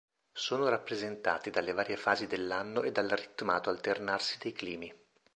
Sono rappresentati dalle varie fasi dell'anno e dal ritmato alternarsi dei climi.